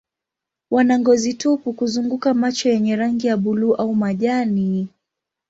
Wana ngozi tupu kuzunguka macho yenye rangi ya buluu au majani.